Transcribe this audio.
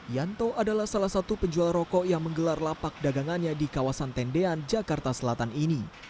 yanto adalah salah satu penjual rokok yang menggelar lapak dagangannya di kawasan tendean jakarta selatan ini